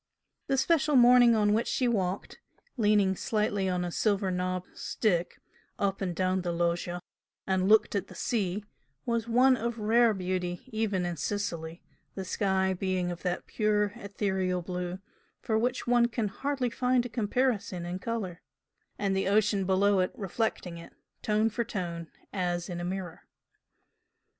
The special morning on which she walked, leaning slightly on a silver knobbed stick, up and down the loggia and looked at the sea, was one of rare beauty even in Sicily, the sky being of that pure ethereal blue for which one can hardly find a comparison in colour, and the ocean below reflecting it, tone for tone, as in a mirror.